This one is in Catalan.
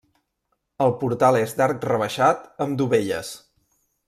El portal és d'arc rebaixat amb dovelles.